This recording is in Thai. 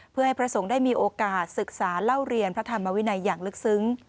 เพื่อให้พระสงฆ์ได้มีโอกาสศึกษาเล่าเรียนพระธรรมวินัยอย่างลึกซึ้ง